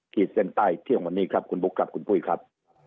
ขีดเส้นใต้เที่ยงวันนี้ครับคุณบุ๊คครับคุณปุ้ยครับ